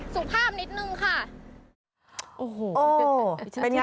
สุภาพนิดนึงค่ะ